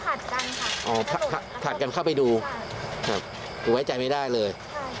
ก็ผ่านกันค่ะถ่ายลุยน้ำเข้าไปดูหรือไว้ใจไม่ได้เลย